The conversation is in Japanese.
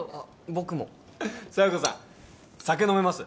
僕も佐弥子さん酒飲めます？